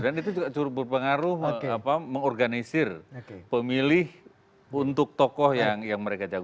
dan itu juga berpengaruh mengorganisir pemilih untuk tokoh yang mereka jago